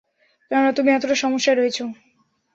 কেননা তুমি এতটা সমস্যায় রয়েছ!